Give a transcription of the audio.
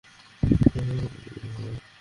যাদের না থাকার কথা বলছি তারা আসলেই নেই।